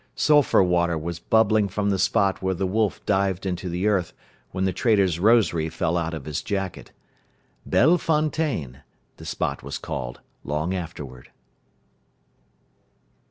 Sulphur water was bubbling from the spot where the wolf dived into the earth when the trader's rosary fell out of his jacket. Belle Fontaine, the spot was called, long afterward.